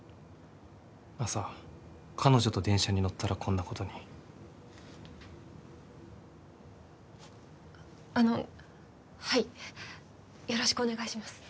朝彼女と電車に乗ったらこんなことにあのはいよろしくお願いします